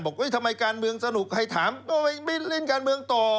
ทำไมการเมืองสนุกใครถามทำไมไม่เล่นการเมืองต่อ